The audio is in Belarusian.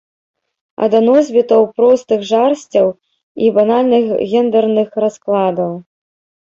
А да носьбітаў простых жарсцяў і банальных гендэрных раскладаў.